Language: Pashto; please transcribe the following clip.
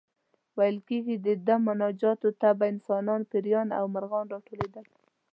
ویل کېږي د ده مناجاتو ته به انسانان، پېریان او مرغان راټولېدل.